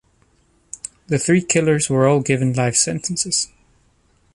The three killers were all given life sentences.